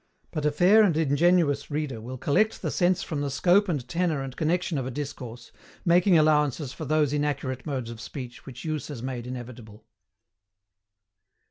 But, a fair and ingenuous reader will collect the sense from the scope and tenor and connexion of a discourse, making allowances for those inaccurate modes of speech which use has made inevitable.